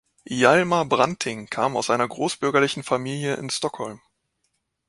Hjalmar Branting kam aus einer großbürgerlichen Familie in Stockholm.